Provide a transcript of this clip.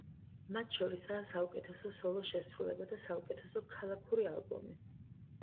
მათ შორისაა: საუკეთესო სოლო შესრულება და საუკეთესო ქალაქური ალბომი.